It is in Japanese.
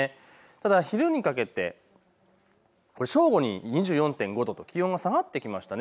ただ昼にかけて正午に２４．５度と気温が下がってきました。